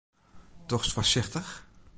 Dochst foarsichtich?